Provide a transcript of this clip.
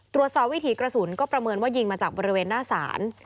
วิถีกระสุนก็ประเมินว่ายิงมาจากบริเวณหน้าศาล